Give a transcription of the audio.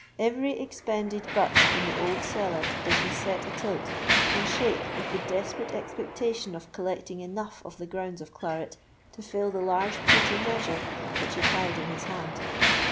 Every expended butt in the old cellar did he set a tilt, and shake with the desperate expectation of collecting enough of the grounds of claret to fill the large pewter measure which he carried in his hand.